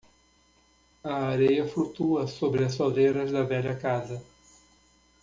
A areia flutua sobre as soleiras da velha casa.